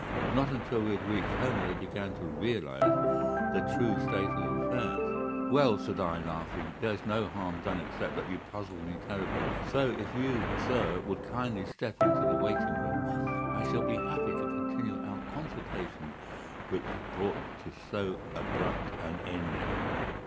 It was not until we had reached home that I began to realize the true state of affairs.' "'Well,' said I, laughing, 'there is no harm done except that you puzzled me terribly; so if you, sir, would kindly step into the waiting room I shall be happy to continue our consultation which was brought to so abrupt an ending.